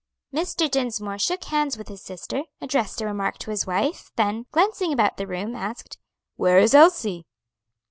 Mr. Dinsmore shook hands with his sister, addressed a remark to his wife, then, glancing about the room, asked, "Where is Elsie?"